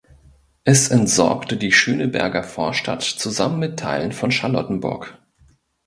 Es entsorgte die Schöneberger Vorstadt zusammen mit Teilen von Charlottenburg.